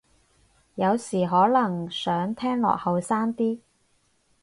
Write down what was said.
有時可能想聽落後生啲